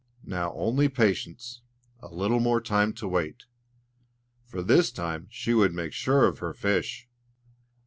Now only patience, a little more time to wait; for this time she would make sure of her fish!